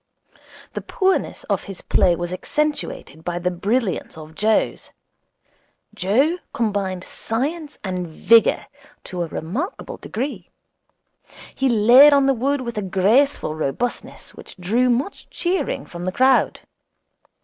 The poorness of his play was accentuated by the brilliance of Joe's. Joe combined science and vigour to a remarkable degree. He laid on the wood with a graceful robustness which drew much cheering from the crowd.